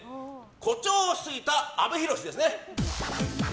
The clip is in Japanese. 誇張しすぎた阿部寛ですね。